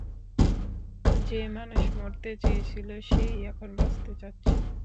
যে মানুষ মরতে চেয়েছিল, সে-ই এখন বাঁচতে চাচ্ছে।